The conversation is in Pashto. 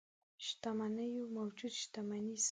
شتمنيو موجوده شتمني ساتي.